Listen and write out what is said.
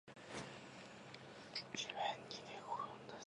地面に寝転んだタバコは部屋の隅の掃除機のようにじっとしている